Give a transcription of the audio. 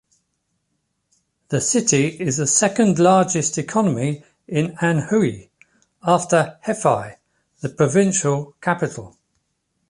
The city is the second largest economy in Anhui, after Hefei, the provincial capital.